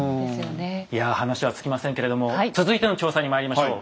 いや話は尽きませんけれども続いての調査にまいりましょう。